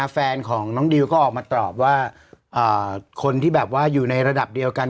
แฟนของน้องดิวก็ออกมาตอบว่าคนที่แบบว่าอยู่ในระดับเดียวกัน